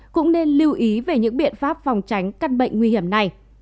cũng nên lưu ý về những biện pháp phòng tránh căn bệnh nguy hiểm này